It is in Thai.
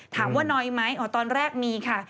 ถามว่าน้อยไหมอ๋อตอนแรกมีค่ะ